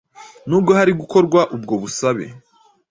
Nubwo hari gukorwa ubwo busabe